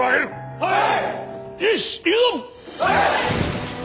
はい！